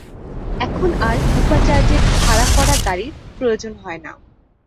এখন আর উপাচার্যের ভাড়া করা গাড়ির প্রয়োজন হয় না।